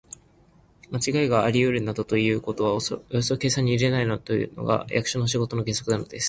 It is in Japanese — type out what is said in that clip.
まちがいがありうるなどということはおよそ計算には入れないというのが、役所の仕事の原則なのです。